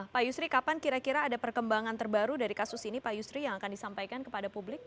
pak yusri kapan kira kira ada perkembangan terbaru dari kasus ini pak yusri yang akan disampaikan kepada publik